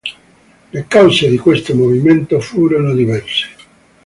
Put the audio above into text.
Le cause di questo movimento furono diverse.